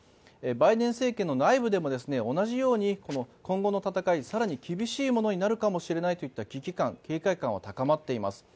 バイデン政権の内部でも同じように今後の戦いが更に厳しいものになるかもしれないといった危機感、警戒感が高まっています。